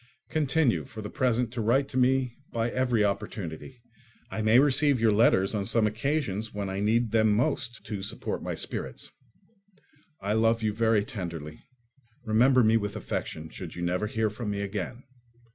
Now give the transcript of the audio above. Continue for the present to write to me by every opportunity: I may receive your letters on some occasions when I need them most to support my spirits. I love you very tenderly. Remember me with affection, should you never hear from me again.